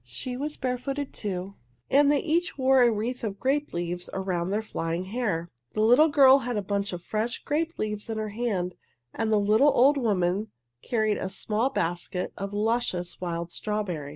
She was barefooted, too, and they each wore a wreath of grape leaves around their flying hair. The little girl had a bunch of fresh grape leaves in her hand, and the little old woman carried a small basket of luscious wild strawberries.